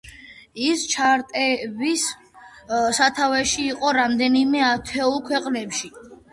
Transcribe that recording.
ის ჩარტების სათავეში იყო რამდენიმე ათეულ ქვეყანაში.